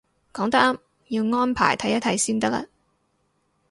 講得啱，要安排睇一睇先得嘞